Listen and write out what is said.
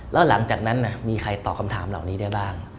แล้วหลังจากนั้นมีใครตอบคำถามเหล่านี้ได้บ้าง